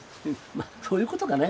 まあそういうことかね。